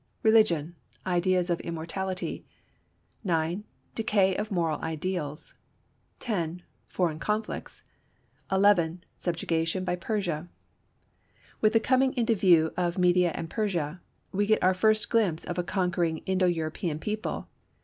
Religion; ideas of immortality. 9. Decay of moral ideals. 10. Foreign conflicts. 11. Subjugation by Persia. With the coming into view of Media and Persia, we get our first glimpse of a conquering Indo European people.